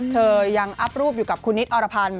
เธอยังอัพรูปอยู่กับคุณนิดอรพันธ์